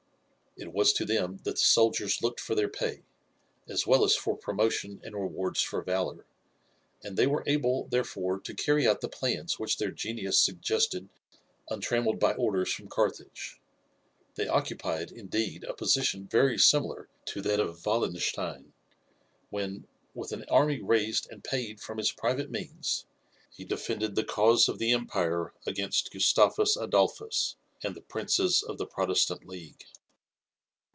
It was to them that the soldiers looked for their pay, as well as for promotion and rewards for valour, and they were able, therefore, to carry out the plans which their genius suggested untrammelled by orders from Carthage. They occupied, indeed, a position very similar to that of Wallenstein, when, with an army raised and paid from his private means, he defended the cause of the empire against Gustavus Adolphus and the princes of the Protestant league.